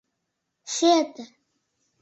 — Чыте...